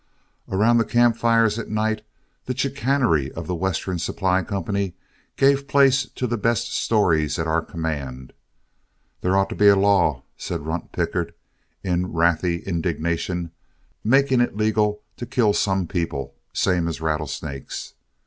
Around the camp fires at night, the chicanery of The Western Supply Company gave place to the best stories at our command. "There ought to be a law," said Runt Pickett, in wrathy indignation, "making it legal to kill some people, same as rattlesnakes.